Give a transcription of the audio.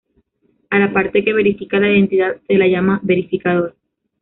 A la parte que verifica la identidad se la llama verificador.